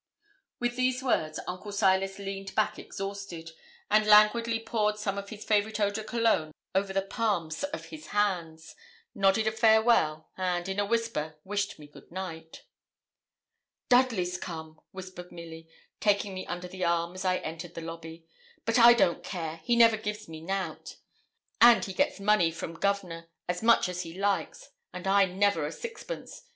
With these words Uncle Silas leaned back exhausted, and languidly poured some of his favourite eau de cologne over the palms of his hands, nodded a farewell, and, in a whisper, wished me good night. 'Dudley's come,' whispered Milly, taking me under the arm as I entered the lobby. 'But I don't care: he never gives me nout; and he gets money from Governor, as much as he likes, and I never a sixpence.